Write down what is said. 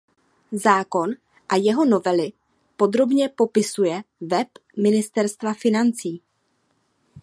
Zákon a jeho novely podrobně popisuje web Ministerstva financí.